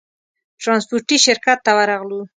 ترانسپورټي شرکت ته ورغلو.